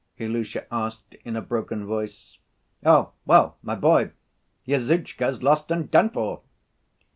Ilusha asked in a broken voice. "Oh, well, my boy, your Zhutchka's lost and done for!"